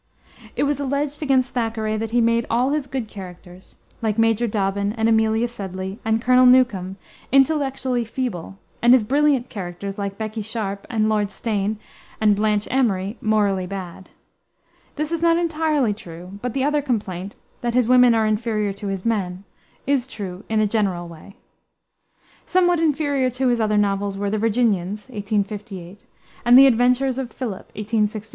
It was alleged against Thackeray that he made all his good characters, like Major Dobbin and Amelia Sedley and Colonel Newcome, intellectually feeble, and his brilliant characters, like Becky Sharp and Lord Steyne and Blanche Amory, morally bad. This is not entirely true, but the other complaint that his women are inferior to his men is true in a general way. Somewhat inferior to his other novels were The Virginians, 1858, and The Adventures of Philip, 1862.